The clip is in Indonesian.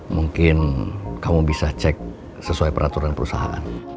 mungkin kamu bisa cek sesuai peraturan perusahaan